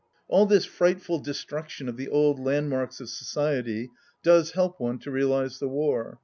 All this frightful destruction of the old landmarks of So ciety does help one to realize the war.